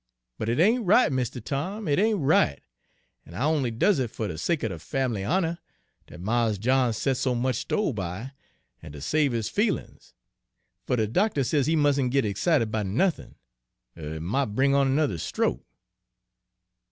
But it ain't right, Mistuh Tom, it ain't right! an' I only does it fer de sake er de fam'ly honuh, dat Mars John sets so much sto' by, an' ter save his feelin's; fer de doctuh says he mus'n' git ixcited 'bout nothin', er it mought bring on another stroke."